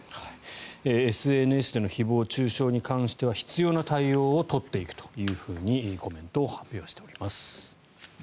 ＳＮＳでの誹謗・中傷に関しては必要な対応を取っていくというふうにコメントを発表しております。